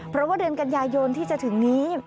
เพราะว่าเดือนกันยายนที่จะถึงนี้